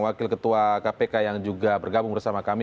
wakil ketua kpk yang juga bergabung bersama kami